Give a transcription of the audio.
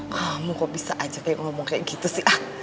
kamu kok bisa aja ngomong kayak gitu sih ah